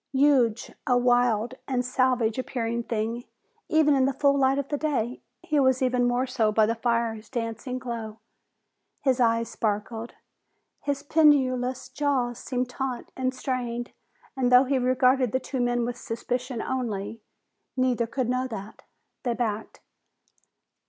Huge, a wild and savage appearing thing, even in the full light of day, he was even more so by the fire's dancing glow. His eyes sparked. His pendulous jowls seemed taut and strained, and though he regarded the two men with suspicion only, neither could know that. They backed.